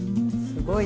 すごい！